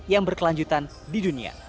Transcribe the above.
yang berkelanjutan di dunia